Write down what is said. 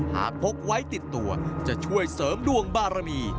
พกไว้ติดตัวจะช่วยเสริมดวงบารมี